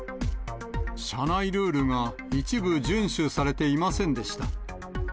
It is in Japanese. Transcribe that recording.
社内ルールが一部順守されていませんでした。